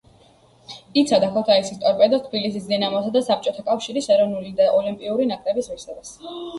იცავდა ქუთაისის „ტორპედოს“, თბილისის „დინამოსა“ და საბჭოთა კავშირის ეროვნული და ოლიმპიური ნაკრების ღირსებას.